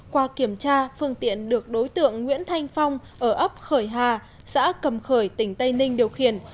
qua kiểm tra phương tiện được đối tượng nguyễn thanh phong ở ấp khởi hà xã cầm khởi tỉnh tây ninh điều khiển